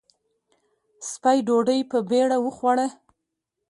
سپۍ ډوډۍ په بېړه وخوړه.